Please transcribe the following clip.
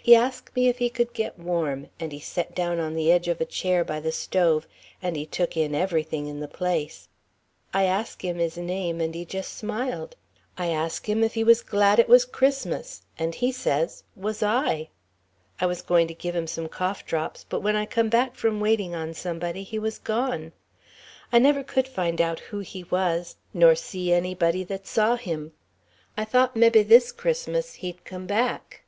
He ask' me if he could get warm and he set down on the edge of a chair by the stove, and he took in everything in the place. I ask' him his name, and he just smiled. I ask' him if he was glad it was Christmas, and he says, Was I. I was goin' to give him some cough drops, but when I come back from waiting on somebody he was gone. I never could find out who he was, nor see anybody that saw him. I thought mebbe this Christmas he'd come back.